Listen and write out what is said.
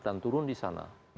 dan turun di sana